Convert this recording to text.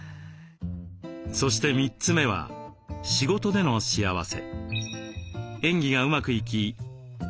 そして３つ目は仕事での幸せ。